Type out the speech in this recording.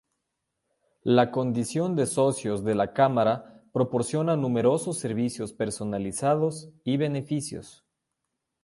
La condición de socios de la Cámara proporciona numerosos servicios personalizados y beneficios.